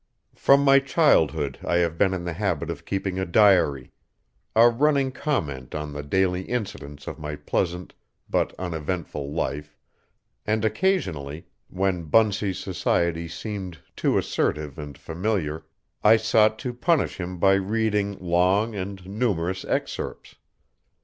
From my childhood I have been in the habit of keeping a diary, a running comment on the daily incidents of my pleasant but uneventful life, and occasionally, when Bunsey's society seemed too assertive and familiar, I sought to punish him by reading long and numerous excerpts.